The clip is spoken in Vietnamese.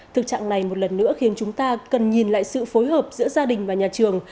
thực trạng này một lần nữa khiến chúng ta cần nhìn lại sự phối hợp giữa gia đình và nhà trường